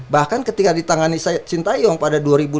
bahkan ketika di tangani sintayong pada dua ribu dua puluh dua